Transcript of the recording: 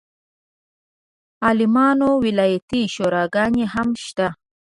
عالمانو ولایتي شوراګانې هم شته.